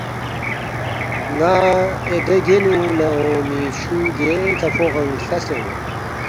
ن٘ا اے دے گینُو نہ اونگمی چُھو گیکھہ فوغنگ ہلتسے اون٘ید